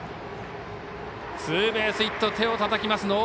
ツーベースヒット手をたたきます。